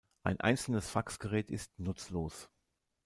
Ein einzelnes Faxgerät ist nutzlos.